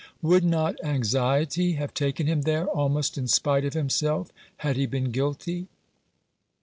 Would not anxiety have taken him there, almost in spite of himself, had he been guilty